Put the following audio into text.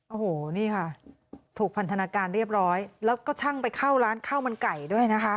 โอ้โหนี่ค่ะถูกพันธนาการเรียบร้อยแล้วก็ช่างไปเข้าร้านข้าวมันไก่ด้วยนะคะ